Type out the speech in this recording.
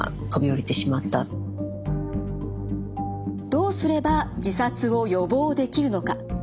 どうすれば自殺を予防できるのか。